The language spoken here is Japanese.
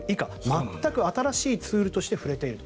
全く新しいツールとして触れている。